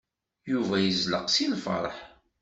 Yuba yezleq seg lfeṛḥ.